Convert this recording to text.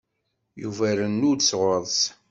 Yuba irennu-d sɣur-s.